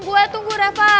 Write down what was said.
gue tunggu reva